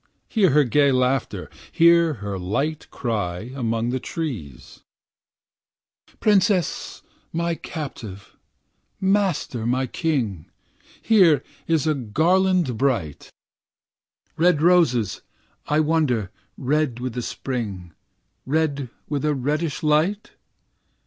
Hear her gay laughter, hear her light cry Among the trees . "Princess, my captive." "Master, my king." "Here is a garland bright." "Red roses, I wonder, red with the Spring, Red with a reddish light?"